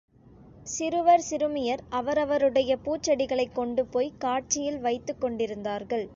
சிறுவர் சிறுமியர் அவரவருடைய பூச்செடிகளைக் கொண்டுபோய்க் காட்சியில் வைத்துக் கொண்டிருந்தார்கள்.